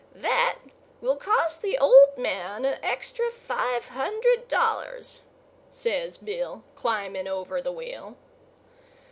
"That will cost the old man an extra five hundred dollars," says Bill, climbing over the wheel.